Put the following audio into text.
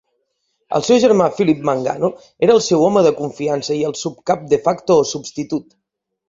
El seu germà Philip Mangano era el seu home de confiança i el subcap "de facto" o "substitut".